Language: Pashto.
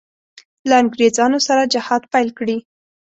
له انګرېزانو سره جهاد پیل کړي.